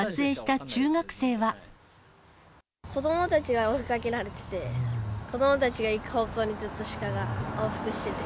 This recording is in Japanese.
子どもたちが追いかけられてて、子どもたちが行く方向に、ずっとシカが往復してた。